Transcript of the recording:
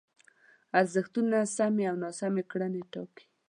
ارزښتونه سمې او ناسمې کړنې ټاکي.